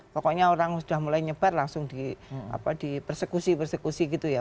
pokoknya orang sudah mulai nyebar langsung di persekusi persekusi gitu ya